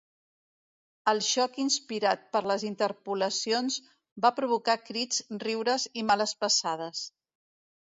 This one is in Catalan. El xoc inspirat per les interpolacions va provocar crits, riures i males passades.